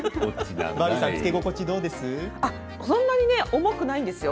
そんなに重くないんですよ。